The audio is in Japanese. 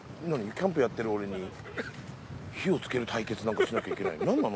キャンプやってる俺にを付ける対決なんかしなきゃいけないの？